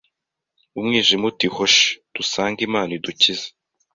Umwijima uti hoshi dusange Imana idukize